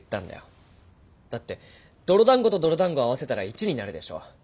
だって泥だんごと泥だんごを合わせたら１になるでしょ。